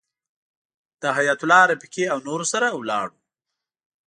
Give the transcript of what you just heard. له حیایت الله رفیقي او نورو سره ولاړو.